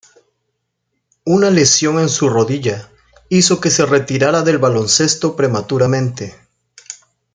Una lesión en su rodilla hizo que se retirara del baloncesto prematuramente.